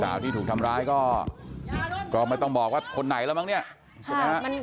สาวที่ถูกทำร้ายก็ไม่ต้องมีความว่าคนไหนมั้ง